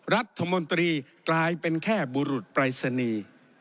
รัฐมนตรีกลายเป็นแค่บุรุษปรายศนีย์